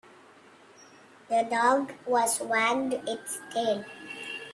The dog was wagged its tail.